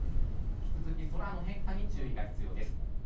引き続き空の変化に注意が必要です。